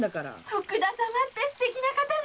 徳田様って素敵な方ね！